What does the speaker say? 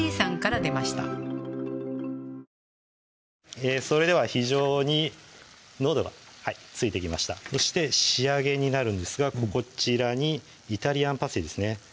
はいそれでは非常に濃度がついてきましたそして仕上げになるんですがこちらにイタリアンパセリですね